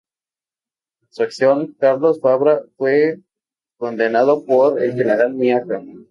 Por su acción, Carlos Fabra fue condecorado por el general Miaja.